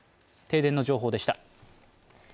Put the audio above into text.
停電の情報でした。